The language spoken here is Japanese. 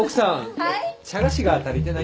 はい。